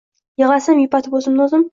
Yig’lasam yupatib o’zimni o’zim